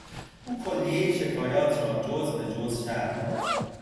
او کلیهی شکایات را جز به جز شرح داد.